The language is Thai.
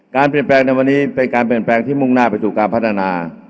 การเปลี่ยนแปลงในวันนี้เป็นการเปลี่ยนแปลงที่มุ่งหน้าไปสู่การพัฒนา